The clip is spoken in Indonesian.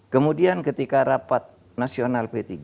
kemudian ketika rapat nasional p tiga